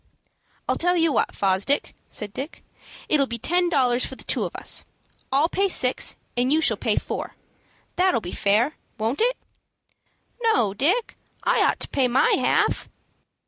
"I'll tell you what, Fosdick," said Dick; "it'll be ten dollars for the two of us. I'll pay six, and you shall pay four. That'll be fair, won't it?" "No, Dick, I ought to pay my half."